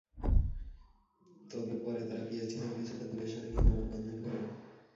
তবে পরে তাঁরা পিএসসি থেকে কিছুটা দূরে সরে গিয়ে মানববন্ধন করেন।